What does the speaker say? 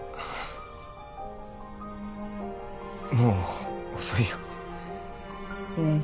もう遅いよねえ